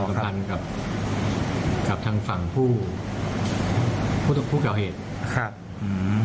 กับทางฝั่งผู้ก่อเหตุ